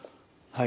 はい。